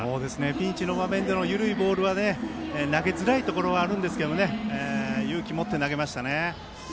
ピンチの場面での緩いボールは投げづらいところはあるんですが勇気持って投げましたね。